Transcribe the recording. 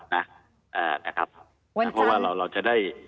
วันจันทร์นะครับเพราะว่าเราจะได้